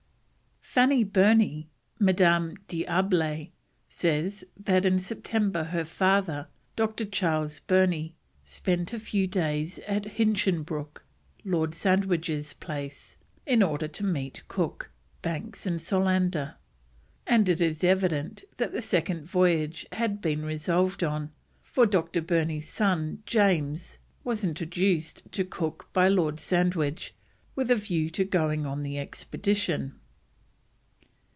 Fanny Burney (Madame d'Arblay) says that in September her father, Dr. Charles Burney, spent a few days at Hinchinbroke, Lord Sandwich's place, in order to meet Cook, Banks, and Solander, and it is evident that the second voyage had been resolved on, for Dr. Burney's son, James, was introduced to Cook by Lord Sandwich, with a view to going on the expedition.